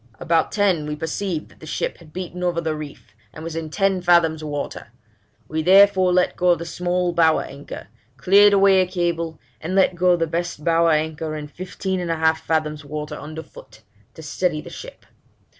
About ten we perceived that the ship had beaten over the reef, and was in ten fathoms water; we therefore let go the small bower anchor, cleared away a cable, and let go the best bower anchor in fifteen and a half fathoms water under foot, to steady the ship.